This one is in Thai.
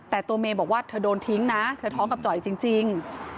แต่ตัวเมย์บอกว่าเธอโดนทิ้งนะเธอท้องกับจ่อยจริง